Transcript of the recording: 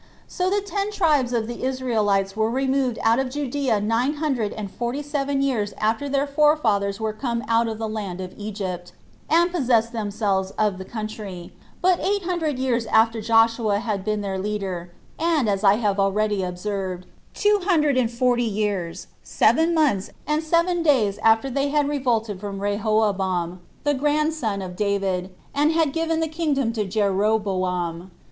So the ten tribes of the Israelites were removed out of Judea nine hundred and forty seven years after their forefathers were come out of the land of Egypt, and possessed themselves of the country, but eight hundred years after Joshua had been their leader, and, as I have already observed, two hundred and forty years, seven months, and seven days after they had revolted from Rehoboam, the grandson of David, and had given the kingdom to Jeroboam.